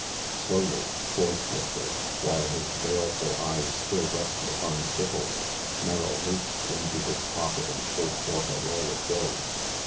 Slowly, voicelessly, while his baleful eyes still rested upon Stipples, Merrill reached into his pocket and pulled forth a roll of bills.